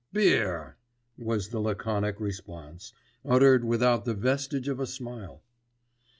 "Beer," was the laconic response, uttered without the vestige of a smile.